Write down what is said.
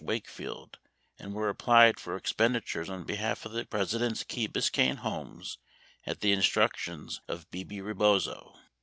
Wakefield, and were applied, for expendi tures on behalf of the President's Key Biscayne homes at the instruc tions of Bebe Rebozo.